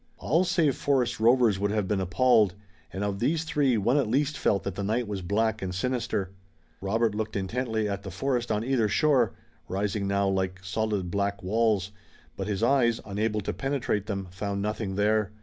All save forest rovers would have been appalled, and of these three one at least felt that the night was black and sinister. Robert looked intently at the forest on either shore, rising now like solid black walls, but his eyes, unable to penetrate them, found nothing there.